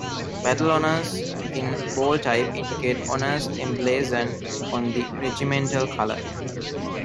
Battle honours in bold type indicate honours emblazoned on the regimental colour.